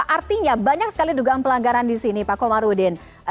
artinya banyak sekali dugaan pelanggaran di sini pak komarudin